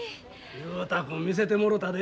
雄太君見せてもろたで。